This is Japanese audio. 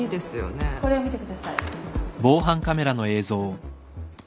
これを見てください。